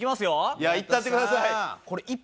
いったってください。